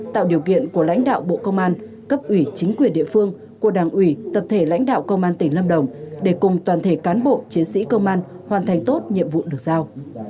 tạo điều kiện của lãnh đạo bộ công an cấp ủy chính quyền địa phương của đảng ủy tập thể lãnh đạo công an tỉnh lâm đồng để cùng toàn thể cán bộ chiến sĩ công an hoàn thành tốt nhiệm vụ được giao